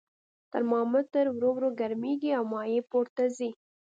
ترمامتر ورو ورو ګرمیږي او مایع پورته ځي.